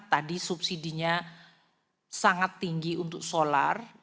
tadi subsidinya sangat tinggi untuk solar